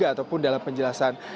ataupun dalam penjelasan